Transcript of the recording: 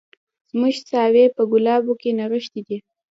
زموږ ساوي په ګلابو کي نغښتي دي